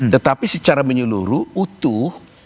tetapi secara menyeluruh utuh